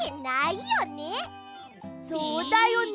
そうだよね。